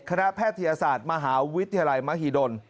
แพทยศาสตร์มหาวิทยาลัยมหิดล